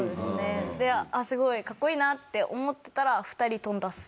ですごいかっこいいなって思ってたら２人とんだっす。